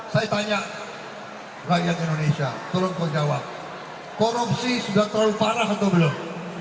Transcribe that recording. saya tanya rakyat indonesia tolong menjawab korupsi sudah terlalu parah atau belum